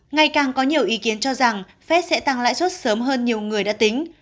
ngày càng có nhiều ý kiến cho rằng fed sẽ tăng lãi suất sớm hơn nhiều người đã tính